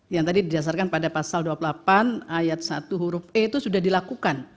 yang tadi didasarkan pada pasal dua puluh delapan ayat satu huruf e itu sudah dilakukan